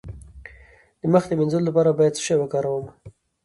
د مخ د مینځلو لپاره باید څه شی وکاروم؟